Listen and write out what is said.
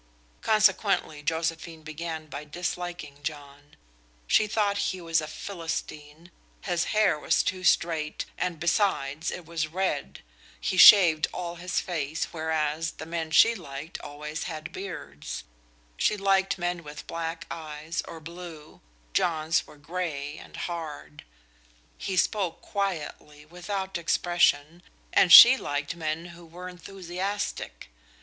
Consequently Josephine began by disliking John. She thought he was a Philistine; his hair was too straight, and besides, it was red; he shaved all his face, whereas the men she liked always had beards; she liked men with black eyes, or blue John's were gray and hard; he spoke quietly, without expression, and she liked men who were enthusiastic.